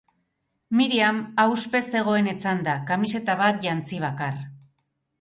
Myriam ahuspez zegoen etzanda, kamiseta bat jantzi bakar.